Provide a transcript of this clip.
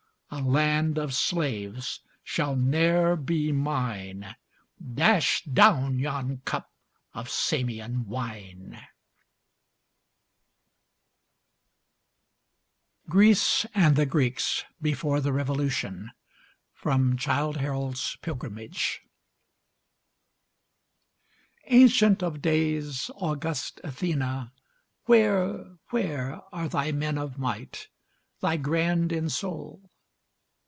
A land of slaves shall ne'er be mine Dash down yon cup of Samian wine! FOOTNOTES: Homer. Anacreon. GREECE AND THE GREEKS BEFORE THE REVOLUTION From 'Childe Harold's Pilgrimage' Ancient of days! august Athena! where, Where are thy men of might? thy grand in soul?